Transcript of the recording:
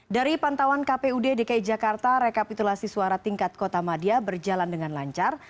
dari pantauan kpud dki jakarta rekapitulasi suara tingkat kota madia berjalan dengan lancar